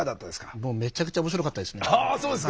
もうめちゃくちゃおもしろかったですね。